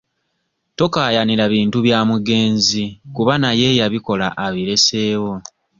Tokaayanira bintu bya mugenzi kuba naye eyabikola abireseewo.